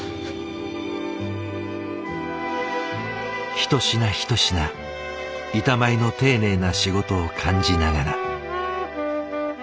一品一品板前の丁寧な仕事を感じながら。